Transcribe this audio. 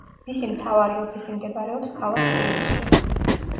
მისი მთავარი ოფისი მდებარეობს ქალაქ თბილისში.